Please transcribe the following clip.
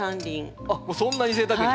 あっもうそんなにぜいたくに。